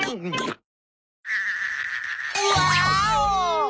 ワーオ！